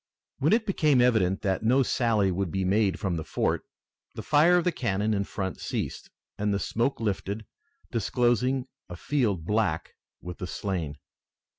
When it became evident that no sally would be made from the fort, the fire of the cannon in front ceased, and the smoke lifted, disclosing a field black with the slain.